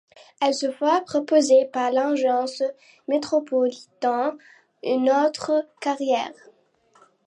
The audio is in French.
Elle se voit proposer par l’agence Metropolitan une autre carrière.